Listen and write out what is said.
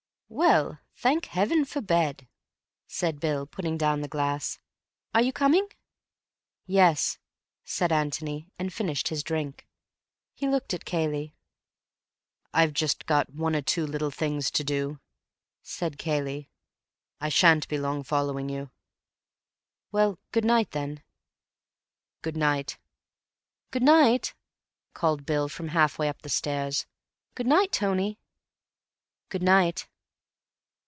"Well, thank heaven for bed," said Bill; putting down his glass. "Are you coming?" "Yes," said Antony, and finished his drink. He looked at Cayley. "I've just got one or two little things to do," said Cayley. "I shan't be long following you." "Well, good night, then." "Good night." "Good night," called Bill from half way up the stairs. "Good night, Tony." "Good night."